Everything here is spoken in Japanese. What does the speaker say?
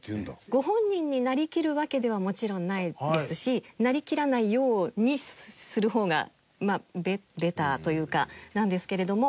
ご本人になりきるわけではもちろんないですしなりきらないようにする方がベターというかなんですけれども。